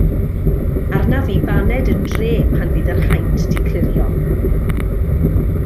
Arnaf i baned yn dre pan fydd yr haint 'di clirio!